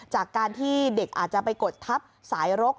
จากการที่เด็กอาจจะไปกดทับสายรก